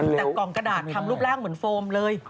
แต่กล่องกระดาษทำรูปร่างเหมือนโฟมเลย